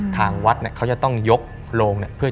ทางวัดเนี่ยเขาจะต้องยกโรงเนี่ย